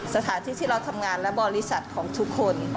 สถานที่ที่เราทำงานและบริษัทของทุกคน